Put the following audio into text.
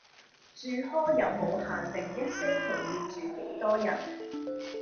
住 hall 有無限定一星期要住幾多日?